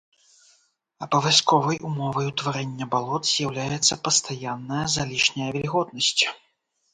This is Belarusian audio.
Абавязковай умовай утварэння балот з'яўляецца пастаянная залішняя вільготнасць.